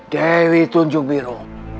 dewi tunjung biru